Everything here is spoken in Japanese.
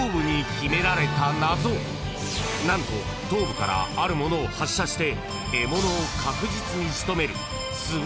［頭部からあるものを発射して］